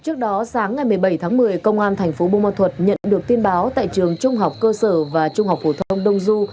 trước đó sáng ngày một mươi bảy tháng một mươi công an thành phố bù ma thuật nhận được tin báo tại trường trung học cơ sở và trung học phổ thông đông du